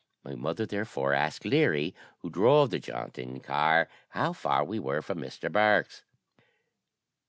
My mother, therefore, asked Leary, who drove the jaunting car, how far we were from Mr. Bourke's?